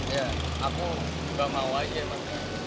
ya aku nggak mau aja emang